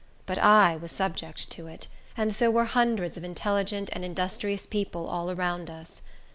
But I was subject to it; and so were hundreds of intelligent and industrious people all around us.